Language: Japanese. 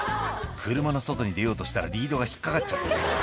「車の外に出ようとしたらリードが引っ掛かっちゃってさ」